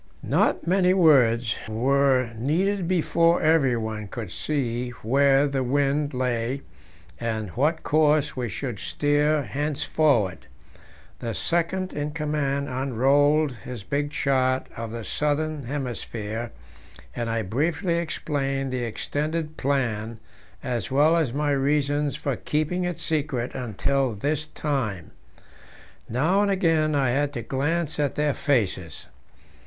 Not many words were needed before everyone could see where the wind lay, and what course we should steer henceforward. The second in command unrolled his big chart of the southern hemisphere, and I briefly explained the extended plan, as well as my reasons for keeping it secret until this time. Now and again I had to glance at their faces.